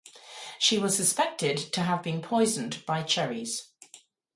She was suspected to have been poisoned by cherries.